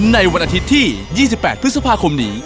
ในวันอาทิตย์ที่๒๘พฤษภาคมนี้